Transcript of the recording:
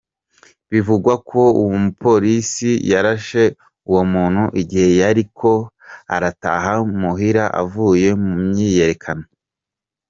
Bivugwa ko uwo mupolisi yarashe uwo muntu igihe yariko arataha muhira avuye mu myiyerekano.